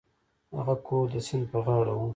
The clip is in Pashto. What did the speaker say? هغه کور د سیند په غاړه و.